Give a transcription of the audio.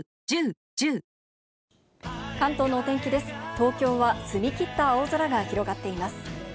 東京は澄み切った青空が広がっています。